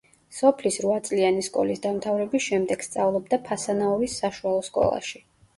სოფლის რვაწლიანი სკოლის დამთავრების შემდეგ სწავლობდა ფასანაურის საშუალო სკოლაში.